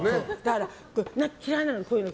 嫌いなの、そういうの。